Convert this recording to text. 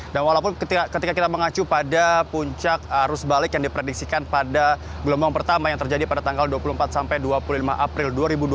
dan walaupun ketika kita mengacu pada puncak arus balik yang diprediksikan pada gelombang pertama yang terjadi pada tanggal dua puluh empat sampai dua puluh lima april dua ribu dua puluh tiga